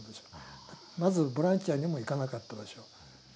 まずボランティアにも行かなかったでしょう。